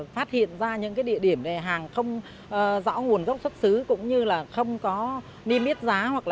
phát hiện ra những địa điểm hàng không rõ nguồn gốc xuất xứ cũng như là không có niêm yết giá hoặc là